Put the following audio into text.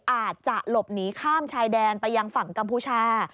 อาจจะหลบหนีข้ามชายแดนไปยังฝั่งกัมพูชา